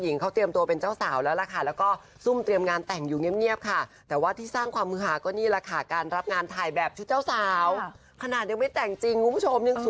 อาคารแล้วเป็นเจ้าสาวและราคาแล้วก็ซุ่มเตรียมงานแต่งอยู่เงี๊ยบค่ะแต่ว่าที่สร้างความมือหาก็นี่ราคาการรับงานถ่ายแบบสุดเจ้าสาวอย่าง